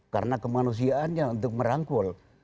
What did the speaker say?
karena kemanusiaannya untuk merangkul